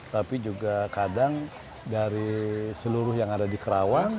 tapi juga kadang dari seluruh yang ada di kerawang